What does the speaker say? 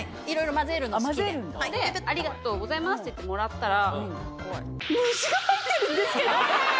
「ありがとうございます」って言ってもらったら。